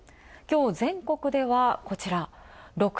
きょう全国では、こちら。